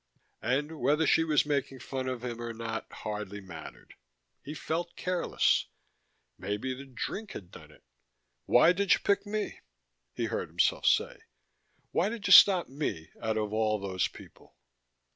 And whether she was making fun of him or not hardly mattered. He felt careless: maybe the drink had done it. "Why did you pick me?" he heard himself say. "Why did you stop me, out of all those people?"